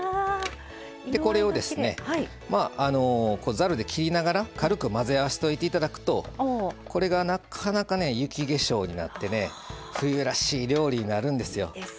これを、ざるで切りながら軽く混ぜ合わせておいていただくとこれが、なかなか雪化粧になってね冬らしい料理になるんですよ。